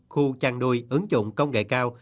khu chăn nuôi ứng dụng công nghệ cao